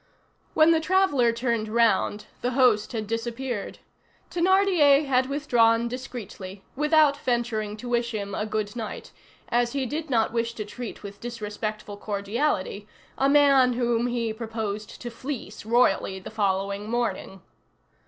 When the traveller turned round, the host had disappeared. Thénardier had withdrawn discreetly, without venturing to wish him a good night, as he did not wish to treat with disrespectful cordiality a man whom he proposed to fleece royally the following morning.